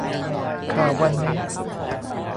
ข่าววันนี้